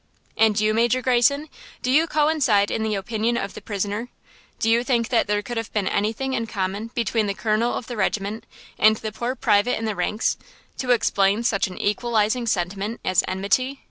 "And you, Major Greyson, do you coincide in the opinion of the prisoner? Do you think that there could have been anything in common between the Colonel of the regiment and the poor private in the ranks, to explain such an equalizing sentiment as enmity?"